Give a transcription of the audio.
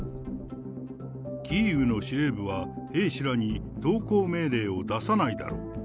キーウの司令部は、兵士らに投降命令を出さないだろう。